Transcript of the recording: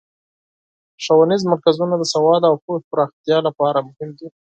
ښوونیز مرکزونه د سواد او پوهې پراختیا لپاره مهم دي.